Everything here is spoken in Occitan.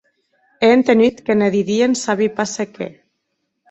È entenut que ne didien sabi pas se qué.